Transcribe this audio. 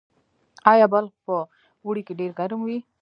آیا بلخ په اوړي کې ډیر ګرم وي؟